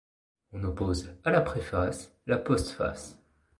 On oppose à la préface la postface.